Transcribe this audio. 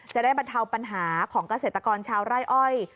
จะได้บรรเทาปัญหาของเกษตรกรชาวไร่อ้อย